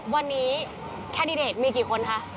วันนี้แคดดิดเลชน์มีกี่คนคะ